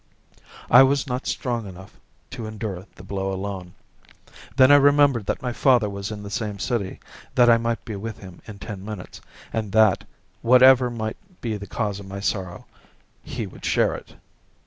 I was not strong enough to endure the blow alone. Then I remembered that my father was in the same city, that I might be with him in ten minutes, and that, whatever might be the cause of my sorrow, he would share it.